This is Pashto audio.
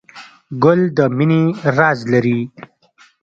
ګل د مینې راز لري.